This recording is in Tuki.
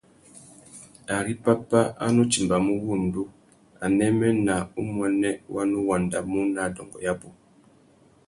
Ari pápá a nu timbamú wŭndú, anêmê nà umuênê wa nu wandamú nà adôngô abú.